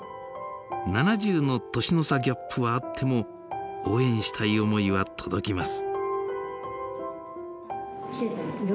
７０の年の差ギャップはあっても応援したい思いは届きます。